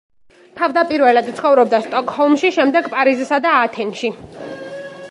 თავდაპირველად ცხოვრობდა სტოკჰოლმში, შემდეგ პარიზსა და ათენში.